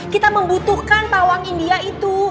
kita membutuhkan pawang india itu